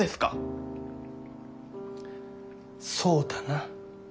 そうだな。